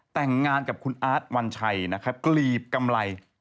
แต่งงานกับอาร์ทวันชัยเกลียบกำไร